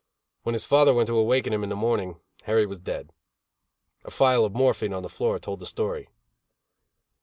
When his father went to awaken him in the morning, Harry was dead. A phial of morphine on the floor told the story.